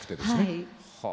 はい。